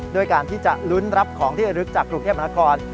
ด้วยการที่จะลุ้นรับของที่ระลึกจากกรุงเทพมหานคร